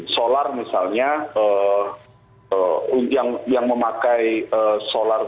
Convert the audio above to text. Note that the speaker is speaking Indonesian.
solar misalnya yang memakai solar